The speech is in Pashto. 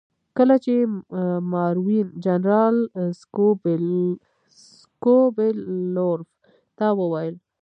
کله چې ماروین جنرال سکوبیلروف ته وویل.